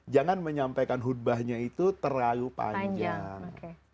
jangan menyampaikan khutbahnya itu terlalu panjang